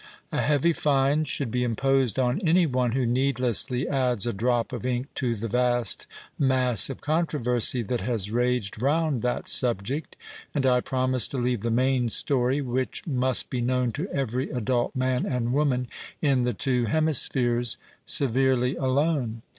A heavy fine should be imposed on any one who needlessly adds a drop of ink to the vast mass of controversy that has raged round that subject, and I promise to leave the main story, which must be known to every adult man and woman in the two hemispheres, severely alone.